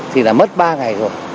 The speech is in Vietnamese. thì là mất ba ngày rồi